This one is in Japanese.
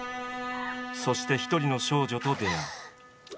そして一人の少女と出会う。